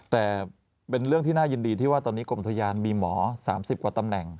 แต่เป็นเรื่องที่น่ายินดีที่ว่าตอนนี้กรมทะยานมีหมอ๓๐กว่าตำแหน่ง